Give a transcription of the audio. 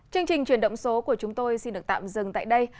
chương trình chuyển động số của chúng tôi xin được tạm dừng tại đây